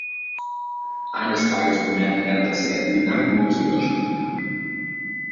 Eines Tages bemerkt er, dass er in Gedanken mit Tieren sprechen kann.